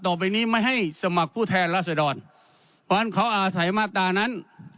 ต่อไปนี้ไม่ให้สมัครผู้แทนราษดรเพราะฉะนั้นเขาอาศัยมาตรานั้น